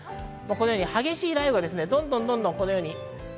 このように激しい雷雨がどんどんと。